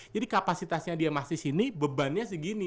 jadi kapasitasnya dia masih sini bebannya segini